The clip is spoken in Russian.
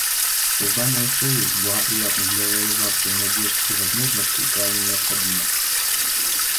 Создание условий, благоприятных для реализации надежд и возможностей, крайне необходимо.